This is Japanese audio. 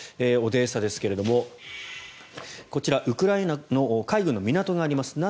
オデーサですがこちらウクライナの海軍の港があります。